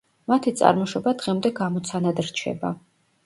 მათი წარმოშობა დღემდე გამოცანად რჩება.